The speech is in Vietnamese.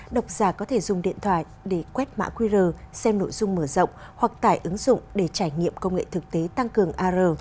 độc giả có thể dùng điện thoại để quét mã qr xem nội dung mở rộng hoặc tải ứng dụng để trải nghiệm công nghệ thực tế tăng cường ar